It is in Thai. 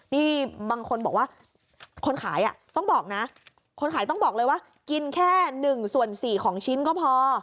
นี่บางคนบอกว่าคนขายต้องบอกเลยว่ากินแค่๑ส่วน๔ของชิ้นก็พอ